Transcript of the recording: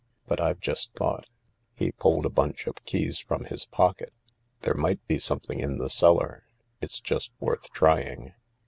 But I've just thought .. He pulled a bunch of keys from his pocket* " There might be something in the cellar— it's just worth trying."